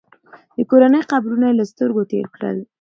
د کورنۍ قبرونه یې له سترګو تېر کړل.